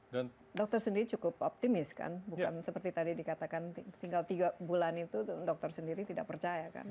dokter sendiri cukup optimis kan bukan seperti tadi dikatakan tinggal tiga bulan itu dokter sendiri tidak percaya kan